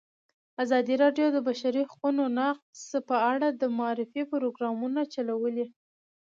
ازادي راډیو د د بشري حقونو نقض په اړه د معارفې پروګرامونه چلولي.